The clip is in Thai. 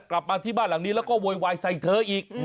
กลับมาที่บ้านหลังนี้แล้วก็โวยวายใส่เธออีก